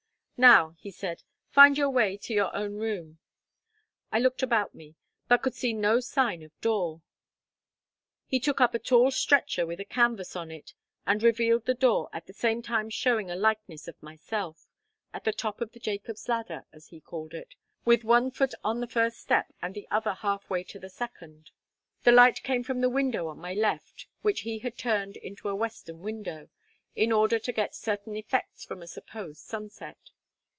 "Now," he said, "find your way to your own room." I looked about me, but could see no sign of door. He took up a tall stretcher with a canvas on it, and revealed the door, at the same time showing a likeness of myself, at the top of the Jacob's ladder, as he called it, with me foot on the first step, and the other half way to the second. The light came from the window on my left, which he had turned into a western window, in order to get certain effects from a supposed sunset.